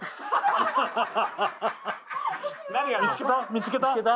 見つけた？